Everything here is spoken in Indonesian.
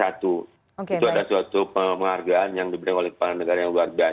itu adalah suatu penghargaan yang diberikan oleh kepala negara yang warga